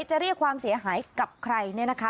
จะเรียกความเสียหายกับใครเนี่ยนะคะ